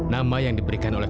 nama yang diberikan oleh